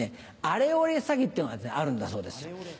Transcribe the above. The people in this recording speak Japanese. アレオレ詐欺っていうのがあるんだそうです。